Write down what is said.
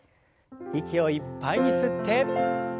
息をいっぱいに吸って。